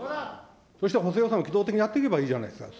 そして補正予算を機動的にやっていけばいいじゃないですか。